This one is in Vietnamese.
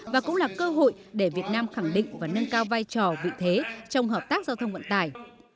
và cũng là cơ hội để việt nam khẳng định và nâng cao vai trò vị thế trong hợp tác giao thông vận tải